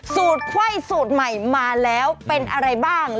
ไขว้สูตรใหม่มาแล้วเป็นอะไรบ้าง